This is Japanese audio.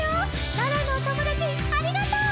奈良のおともだちありがとう！